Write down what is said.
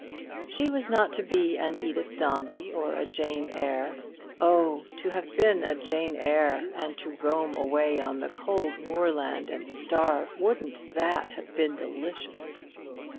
She was not to be an Edith Dombey or a Jane Eyre. Oh, to have been Jane Eyre, and to roam away on the cold moorland and starve, wouldn't that have been delicious!